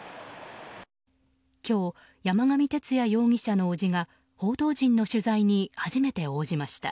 今日、山上徹也容疑者の伯父が報道陣の取材に初めて応じました。